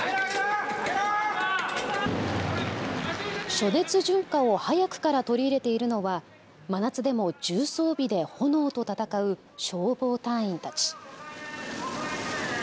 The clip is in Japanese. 暑熱順化を早くから取り入れているのは真夏でも重装備で炎と戦う消防隊員たち。